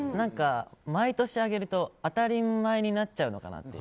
毎年あげると当たり前になっちゃうのかなって。